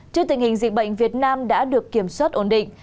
trước tình hình dịch bệnh việt nam đã được kiểm soát ổn định